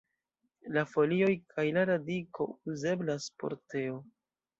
La folioj kaj la radiko uzeblas por teo.